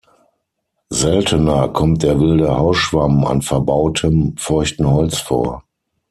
Seltener kommt der Wilde Hausschwamm an verbautem feuchten Holz vor.